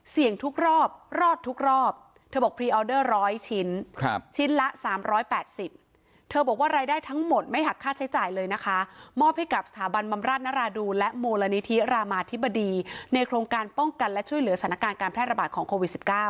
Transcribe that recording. สถาบันบำราชนราดูและโมลนิธิรามาธิบดีในโครงการป้องกันและช่วยเหลือสถานการณ์การแพร่ระบาดของโควิดสิบเก้า